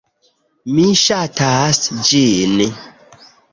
Mi ŝatas ĝin